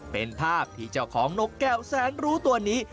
เป็นภาพที่เจ้าของนกแก้วแสนรู้ตัวนี้